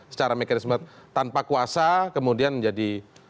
secara mekanisme tanpa kuasa kemudian menjadi